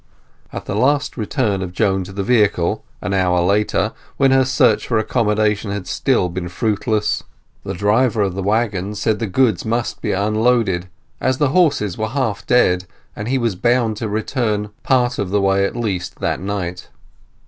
At the last return of Joan to the vehicle, an hour later, when her search for accommodation had still been fruitless, the driver of the waggon said the goods must be unloaded, as the horses were half dead, and he was bound to return part of the way at least that night.